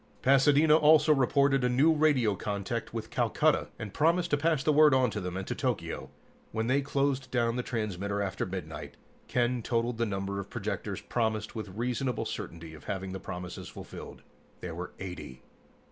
Pasadena also reported a new radio contact with Calcutta, and promised to pass the word on to them and to Tokyo. When they closed down the transmitter after midnight, Ken totaled the number of projectors promised with reasonable certainty of having the promises fulfilled. There were eighty.